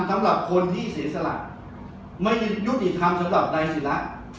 สำหรับคนที่อีสิรษะหลักไม่ยุติธรรมสำหรับใครสิทธิ์ละ